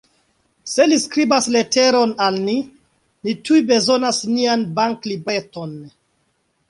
Se li skribas leteron al ni, ni tuj bezonas nian banklibreton.